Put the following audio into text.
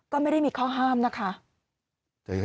ก็ไม่ได้มีข้อห้ามนะคะ